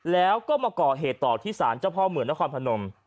แล้วก็มาก่อเหตุต่อที่สารเจ้าพ่อเมืองนครพนม